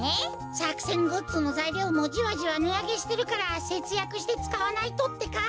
さくせんグッズのざいりょうもじわじわねあげしてるからせつやくしてつかわないとってか。